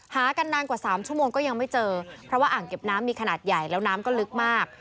หากันนานกว่า๓ชั่วโมงก็ยังไม่เจอเพราะว่าอ่างเก็บน้ำมีขนาดใหญ่แล้วน้ำก็ลึกมาก